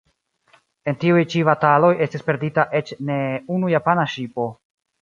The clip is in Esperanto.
En tiuj ĉi bataloj estis perdita eĉ ne unu japana ŝipo.